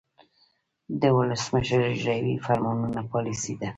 د ولسمشر اجراییوي فرمانونه پالیسي ده.